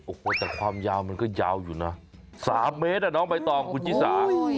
โอ้โหแต่ความยาวมันก็ยาวอยู่นะ๓เมตรอ่ะน้องใบตองคุณชิสา